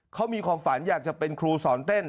เขามีความฝันอยากจะเป็นครูสอนเต้น